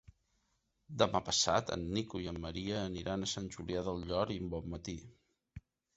Demà passat en Nico i en Maria aniran a Sant Julià del Llor i Bonmatí.